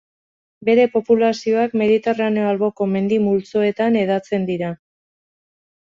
Bere populazioak Mediterraneo alboko mendi multzoetan hedatzen dira.